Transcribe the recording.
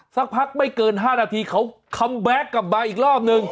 สักพักไม่เกิน๕นาทีเขาคัมแบ็คกลับมาอีกรอบนึง